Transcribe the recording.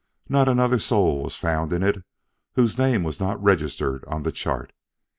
Not another soul was found in it whose name was not registered on the chart.